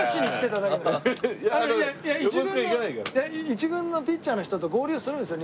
１軍のピッチャーの人と合流するんですよ